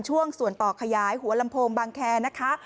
ช่วงส่วนต่อขยายหัวลำโพงบางแคร์นะคะ